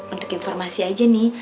untuk informasi aja nih